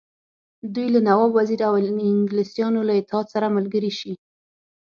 دوی له نواب وزیر او انګلیسیانو له اتحاد سره ملګري شي.